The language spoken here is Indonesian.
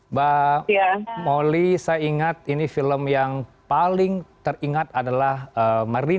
mbak moli saya ingat ini film yang paling teringat adalah marinir